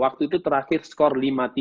waktu itu terakhir skor lima tiga